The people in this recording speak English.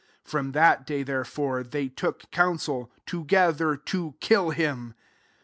53 From that day, therefore, they took counsel together to kill him.